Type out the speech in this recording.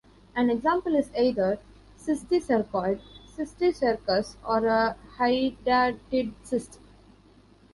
An example is either cysticercoid, cysticercus, or a hydatid cyst.